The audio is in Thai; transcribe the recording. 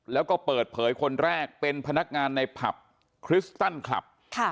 แล้วก็เปิดเผยคนแรกเป็นพนักงานในผับคริสตันคลับ